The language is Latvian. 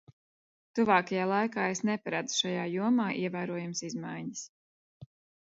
Tuvākajā laikā es neparedzu šajā jomā ievērojamas izmaiņas.